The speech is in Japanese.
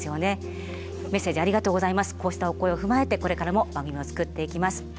こうしたお声を踏まえてこれからも番組を作っていきます。